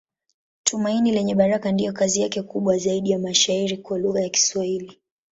Tumaini Lenye Baraka ndiyo kazi yake kubwa zaidi ya mashairi kwa lugha ya Kiswahili.